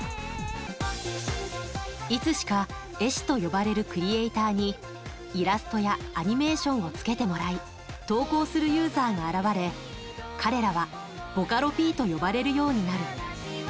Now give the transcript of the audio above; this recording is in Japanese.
いつしか絵師と呼ばれるクリエーターにイラストやアニメーションをつけてもらい投稿するユーザーが現れ、彼らはボカロＰと呼ばれるようになる。